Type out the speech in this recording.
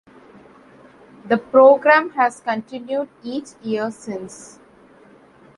The program has continued each year since.